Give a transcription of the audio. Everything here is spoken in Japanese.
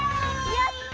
やった！